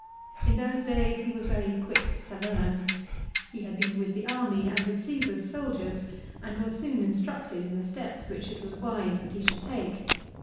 In those days he was very quick to learn. He had been with the army, and with Caesar's soldiers, and was soon instructed in the steps which it was wise that he should take.